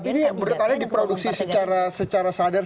tapi ini menurut kalian diproduksi secara sadar